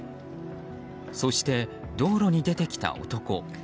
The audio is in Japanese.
そして、道路に出てきた男。